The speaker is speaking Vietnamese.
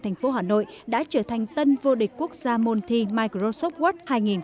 thành phố hà nội đã trở thành tân vô địch quốc gia môn thi microsoft word hai nghìn hai mươi